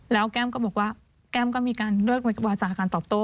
แล้วแก้มก็บอกว่าแก้มก็มีการเลือกวาจาการตอบโต้